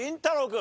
君。